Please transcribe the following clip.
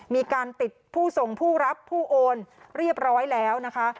มีการติดผู้ส่งผู้รับผู้โอนเรียบร้อยแล้วนะคะ